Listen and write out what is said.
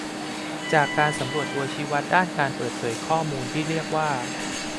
จากการสำรวจตัวชี้วัดด้านการเปิดเผยข้อมูลที่เรียกว่า